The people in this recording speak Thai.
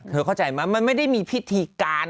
เข้าใจไหมมันไม่ได้มีพิธีการ